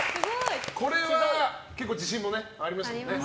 これは自信もありましたよね。